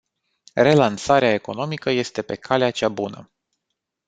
Relansarea economică este pe calea cea bună.